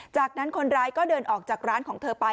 จากนั้นคนร้ายก็เดินออกจากร้านของเธอไป